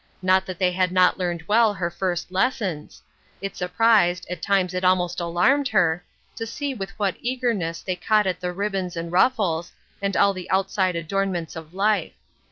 Not that they had not learned well Jier first lessons. It surpnsed, at times it almost alarmed her, to see with what eagerness they caught at the ribbons and ruffles, and all the outside adornments of Hfe.